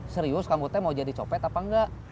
serius rambutnya mau jadi copet apa enggak